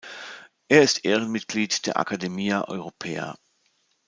Er ist Ehrenmitglied der Academia Europaea.